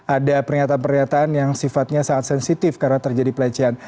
ada pernyataan pernyataan yang sifatnya sangat sensitif karena terjadi pelecehan